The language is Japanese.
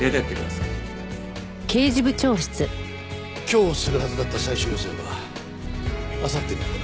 今日するはずだった最終予選はあさってに行う。